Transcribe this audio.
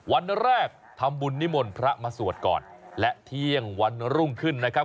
วันแรกทำบุญนิมนต์พระมาสวดก่อนและเที่ยงวันรุ่งขึ้นนะครับ